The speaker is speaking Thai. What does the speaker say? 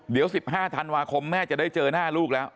เดี๋ยว๑๕ธันวาคมแม่จะได้เจอหน้าลูกแล้ว